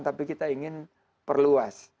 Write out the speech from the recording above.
tapi kita ingin perluas